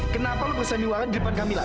kenapa lu bersandiwara di depan kami lah